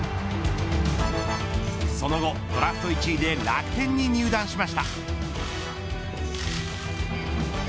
その後ドラフト１位で楽天に入団しました。